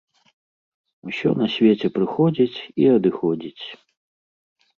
Усё на свеце прыходзіць і адыходзіць.